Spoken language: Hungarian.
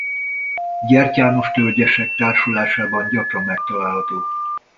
Gyertyános-tölgyesek társulásában gyakran megtalálható.